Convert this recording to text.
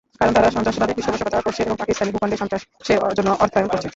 কারণ, তারা সন্ত্রাসবাদের পৃষ্ঠপোষকতা করছে এবং পাকিস্তানি ভূখণ্ডে সন্ত্রাসের জন্য অর্থায়ন করছে।